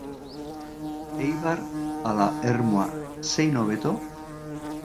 Eibar ala Ermua zein hobeto?